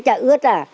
nó chạy ướt ra